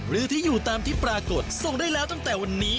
หรือที่อยู่ตามที่ปรากฏส่งได้แล้วตั้งแต่วันนี้